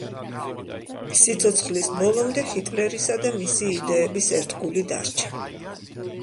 სიცოცხლის ბოლომდე ჰიტლერისა და მისი იდეების ერთგული დარჩა.